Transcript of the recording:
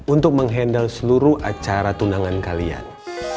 untuk menghandle seluruh acara tunangan kalian